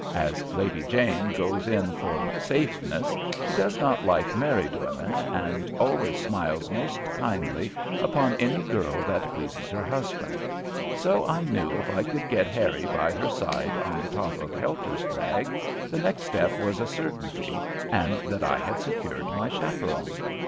As Lady Jane goes in for safeness, she does not like married women, and always smiles most kindly upon any girl that pleases her husband; so I knew if I could get Harrie by her side on the top of Helter's drag, the next step was a certainty, and that I had secured my chaperon.